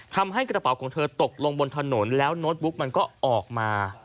ทำให้กระเป๋าของเธอตกลงบนถนนแล้วโน้ตบุ๊กมันก็ออกมา